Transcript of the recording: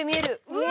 うわ！